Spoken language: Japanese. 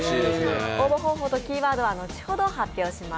応募方法とキーワードは後ほど発表します。